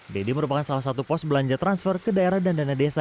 deddy merupakan salah satu pos belanja transfer ke daerah dan dana desa